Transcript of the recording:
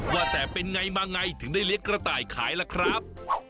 ว่าแต่เป็นไงมาไงถึงได้เลี้ยงกระต่ายขายล่ะครับ